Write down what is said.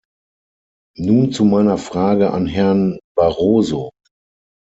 Nun zu meiner Frage an Herrn Barroso.